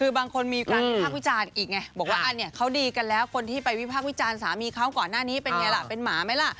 คือบางคนมีการวิพากษ์วิจารณ์อีกไงบอกว่าอันนี้เขาดีกันแล้วคนที่ไปวิพากษ์วิจารณ์สามีเขาก่อนหน้านี้เป็นไงล่ะเป็นหมาไหมล่ะ